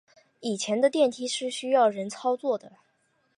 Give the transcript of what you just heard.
以前的电梯是需要人操作的。